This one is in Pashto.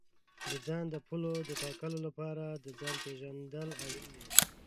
د ځان د پولو ټاکلو لپاره د ځان پېژندل اړین دي.